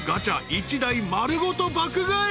１台丸ごと爆買い］